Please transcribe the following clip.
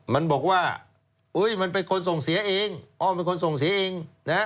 มันบอกว่ามันเป็นคนส่งเสียเองอ้อมเป็นคนส่งเสียเอง